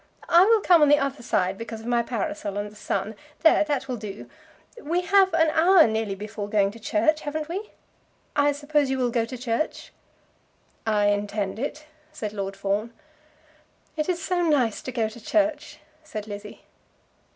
I will come on the other side because of my parasol and the sun. There, that will do. We have an hour nearly before going to church; haven't we? I suppose you will go to church." "I intend it," said Lord Fawn. "It is so nice to go to church," said Lizzie.